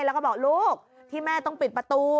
แล้วก็บอกลูกที่แม่ต้องปิดประตู